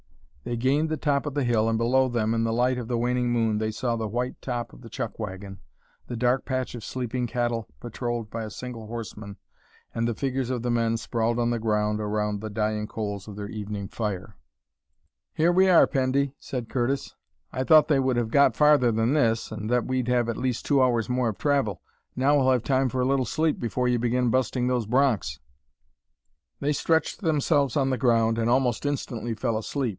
They gained the top of the hill and below them, in the light of the waning moon, they saw the white top of the chuck wagon, the dark patch of sleeping cattle patrolled by a single horseman, and the figures of the men sprawled on the ground around the dying coals of their evening fire. "Here we are, Pendy!" said Curtis. "I thought they would have got farther than this, and that we'd have at least two hours more of travel. Now we'll have time for a little sleep before you begin busting those broncs." They stretched themselves on the ground and almost instantly fell asleep.